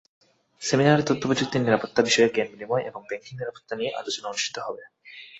সেমিনারে তথ্যপ্রযুক্তির নিরাপত্তা বিষয়ে জ্ঞান বিনিময় এবং ব্যাংকিং নিরাপত্তা নিয়ে আলোচনা অনুষ্ঠিত হবে।